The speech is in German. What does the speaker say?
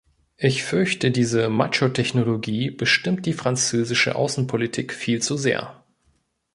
Ich fürchte, diese Macho-Technologie bestimmt die französische Außenpolitik viel zu sehr.